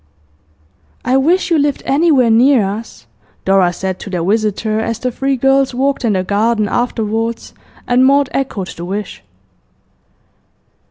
'I wish you lived anywhere near us,' Dora said to their visitor, as the three girls walked in the garden afterwards, and Maud echoed the wish.